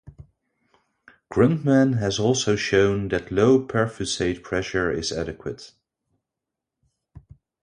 Grundmann has also shown that low perfusate pressure is adequate.